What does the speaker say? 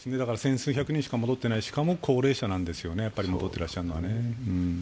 千数百人しか戻っていないしかも高齢者なんですよね、戻ってらっしゃるのは。